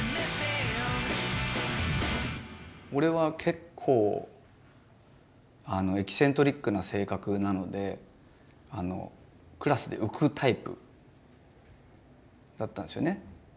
俺は結構エキセントリックな性格なのでクラスで浮くタイプだったんですよね。